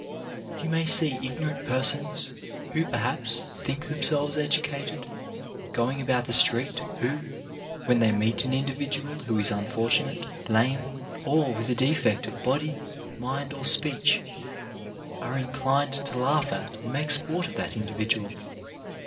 You may see ignorant persons, who, perhaps, think themselves educated, going about the street, who, when they meet an individual who is unfortunate — lame, or with a defect of body, mind or speech — are inclined to laugh at and make sport of that individual.